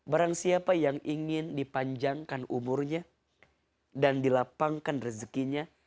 barangsiapa yang ingin dipanjangkan umurnya dan dilapangkan rezeki nya